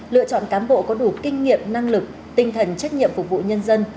lựa chọn cán bộ có đủ kinh nghiệm năng lực tinh thần trách nhiệm phục vụ nhân dân